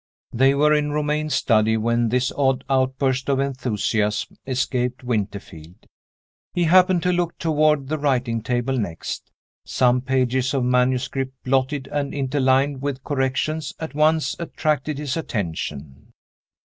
They were in Romayne's study when this odd outburst of enthusiasm escaped Winterfield. He happened to look toward the writing table next. Some pages of manuscript, blotted and interlined with corrections, at once attracted his attention.